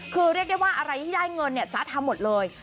คือเรียกได้ว่าอะไรที่ได้เงินเนี่ยจ๊ะทำหมดเลย